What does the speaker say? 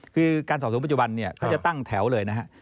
คือการสอบสวนปัจจุบันเนี่ยเขาจะตั้งแถวเลยนะฮะ